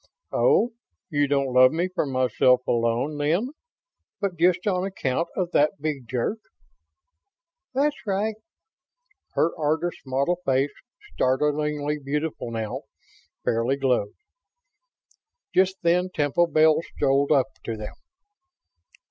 "Oh, you don't love me for myself alone, then, but just on account of that big jerk?" "That's right." Her artist's model face, startlingly beautiful now, fairly glowed. Just then Temple Bells strolled up to them.